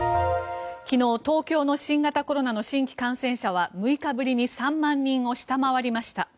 昨日、東京の新型コロナの新規感染者は６日ぶりに３万人を下回りました。